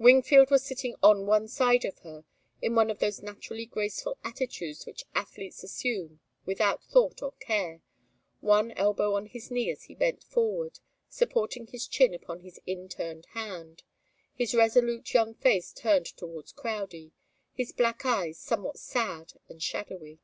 Wingfield was sitting on one side of her, in one of those naturally graceful attitudes which athletes assume without thought or care, one elbow on his knee as he bent forward, supporting his chin upon his in turned hand, his resolute young face turned towards Crowdie, his black eyes somewhat sad and shadowy.